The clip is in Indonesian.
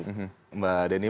terima kasih mbak denny